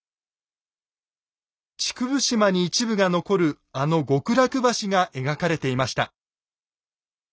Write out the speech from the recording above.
竹生島に一部が残るあの極楽橋が描かれていました。